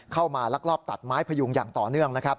เข้ามาลักรอบตัดไม้พยุงอย่างต่อเนื่อง